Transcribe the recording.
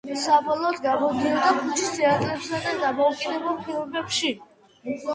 საბოლოოდ, გამოდიოდა ქუჩის თეატრებსა და დამოუკიდებელ ფილმებში.